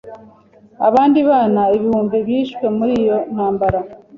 Abandi bana ibihumbi bishwe muri iyo ntambara.